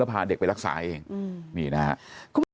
แล้วพาเด็กไปรักษาเองอืมมีนะฮะ